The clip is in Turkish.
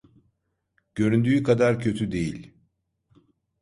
Göründüğü kadar kötü değil.